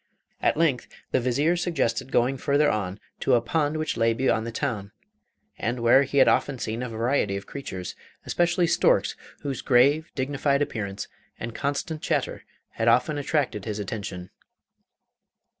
At length the Vizier suggested going further on to a pond which lay beyond the town, and where he had often seen a variety of creatures, especially storks, whose grave, dignified appearance and constant chatter had often attracted his attention.